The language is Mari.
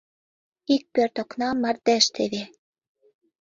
Ик пӧрт окнам мардеж теве